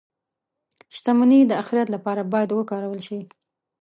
• شتمني د آخرت لپاره باید وکارول شي.